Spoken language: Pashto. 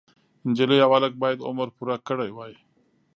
نجلۍ او هلک باید عمر پوره کړی وای.